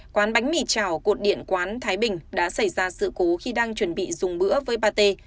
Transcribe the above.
quán bánh mì chảo của điện quán thái bình đã xảy ra sự cố khi đang chuẩn bị dùng bữa với bà tê